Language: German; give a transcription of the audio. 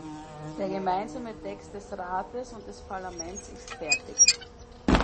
Der gemeinsame Text des Rates und des Parlaments ist fertig.